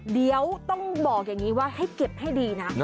เดี๋ยวต้องบอกอย่างนี้ว่าให้เก็บให้ดีนะ